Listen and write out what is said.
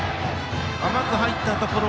甘く入ったところ。